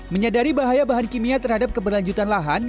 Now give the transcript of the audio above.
menyadari bahaya bahan kimia terhadap keberlanjutan lahan